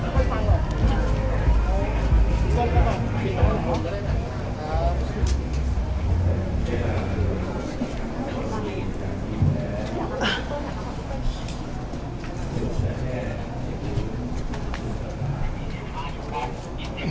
สวัสดีครับทุกคน